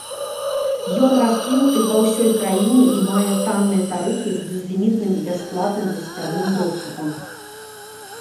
Ён раскінуты па ўсёй краіне і мае танныя тарыфы з безлімітным бясплатным гасцявым доступам.